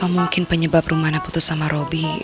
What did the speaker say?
mungkin penyebab rumane putus sama robby